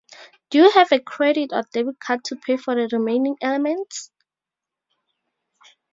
Do you have a credit or debit card to pay for the remaining elements?